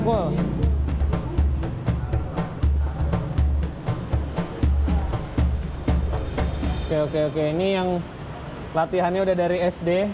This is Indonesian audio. oke oke ini yang latihannya udah dari sd